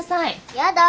やだ！